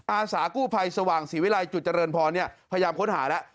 อาสากู้ภัยสว่างศรีวิรัยจุดเจริญพรพยายามค้นหาแล้ว